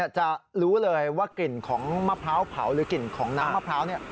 จะรู้เลยว่ากลิ่นของมะพร้าวเผาหรือกลิ่นของน้ำมะพร้าว